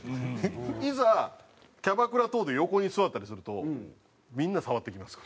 いざキャバクラ等で横に座ったりするとみんな触ってきます